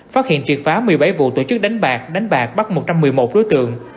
phát hiện triệt phá một mươi bảy vụ tổ chức đánh bạc đánh bạc bắt một trăm một mươi một đối tượng